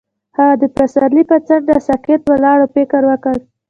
هغه د پسرلی پر څنډه ساکت ولاړ او فکر وکړ.